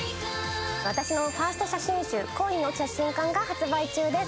私のファースト写真集、「恋に落ちた瞬間」が販売中です。